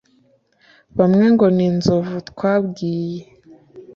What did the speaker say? bamwe ngo ni inzovu twabwiye